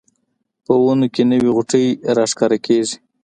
په ونو کې نوې غوټۍ راښکاره کیږي